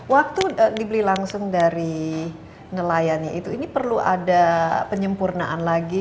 waktu dibeli langsung dari nelayannya itu ini perlu ada penyempurnaan lagi